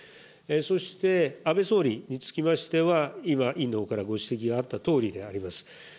そして、安倍総理につきましては、今、委員のほうからご指摘があったとおりであります。